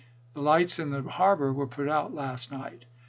The lights in the harbor were put out last night."